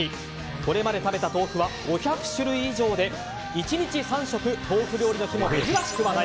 これまで食べた豆腐は５００種類以上で１日３食豆腐料理の日も珍しくない。